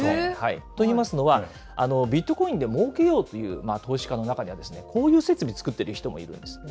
といいますのは、ビットコインでもうけようという投資家の中ではですね、こういう設備作ってる人もいるんです。